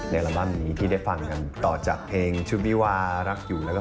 อัลบั้มอย่างนี้ที่ได้ฟังกันต่อจากเพลงชุดวิวารักอยู่แล้วก็